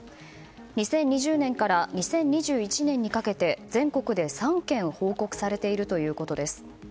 ２０２０年から２０２１年にかけて全国で３件報告されているということです。